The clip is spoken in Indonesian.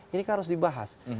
ini kan harus dibahas